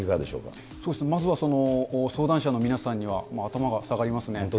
まずは相談者の皆さんには頭が下がりますね。